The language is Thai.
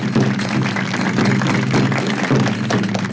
ไปเว้ย